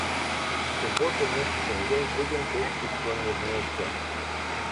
В субботу мы с семьей будем печь печенье вместе.